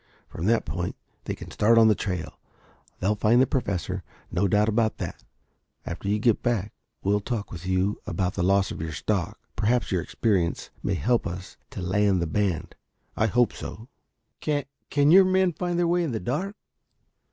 From that point they can start on the trail. They'll find the Professor. No doubt about that. After you all get back we will talk with you about the loss of your stock. Perhaps your experience may help us to land the band. I hope so." "Can can your men find their way in the dark?"